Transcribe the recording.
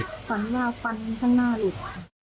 ฝันว่าฟันข้างหน้าหลุด